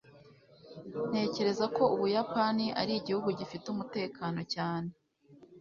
Ntekereza ko Ubuyapani ari igihugu gifite umutekano cyane.